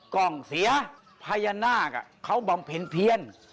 กล้องเสียพญานาคเขาบำเพ็ญเพียน